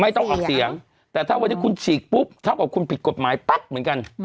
ต้องออกเสียงแต่ถ้าวันนี้คุณฉีกปุ๊บเท่ากับคุณผิดกฎหมายปั๊บเหมือนกัน